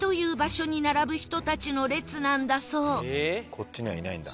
「こっち」にはいないんだ。